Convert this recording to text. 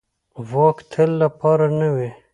واک د تل لپاره نه وي